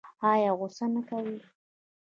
ایا غوسه نه کوي؟